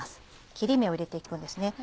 切り目を入れて行くんですね。